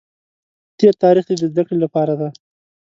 تېر تاریخ دې د زده کړې لپاره دی.